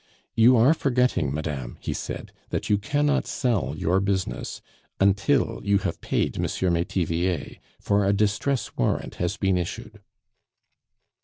"You are forgetting, madame," he said, "that you cannot sell your business until you have paid M. Metivier; for a distress warrant has been issued."